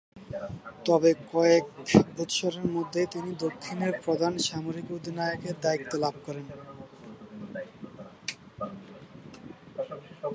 তবে কয়েক বৎসরের মধ্যেই তিনি দক্ষিণের প্রধান সামরিক অধিনায়কের দায়িত্ব লাভ করেন।